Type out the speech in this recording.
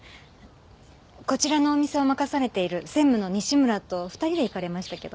こちらのお店を任されている専務の西村と２人で行かれましたけど。